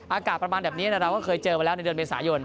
อากาศประมาณแบบนี้เราก็เคยเจอมาแล้วในเดือนเมษายน